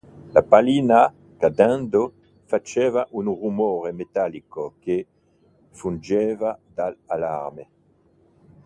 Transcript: La pallina, cadendo, faceva un rumore metallico, che fungeva da allarme.